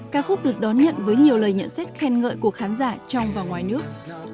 ca khúc được đón nhận với nhiều lời nhận xét khen ngợi của khán giả trong và ngoài nước